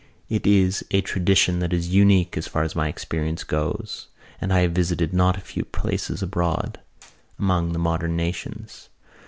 It is a tradition that is unique as far as my experience goes (and I have visited not a few places abroad) among the modern nations.